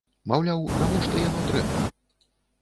Маўляў, навошта яно трэба!?